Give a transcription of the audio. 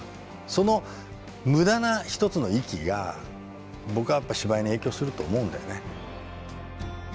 その無駄な一つの息が僕はやっぱり芝居に影響すると思うんだよね。